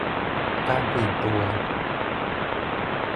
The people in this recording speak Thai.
การเปลี่ยนตัว